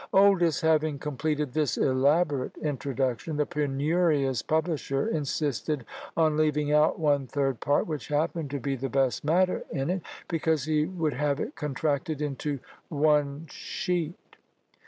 Oldys having completed this elaborate introduction, "the penurious publisher insisted on leaving out one third part, which happened to be the best matter in it, because he would have it contracted into one sheet!"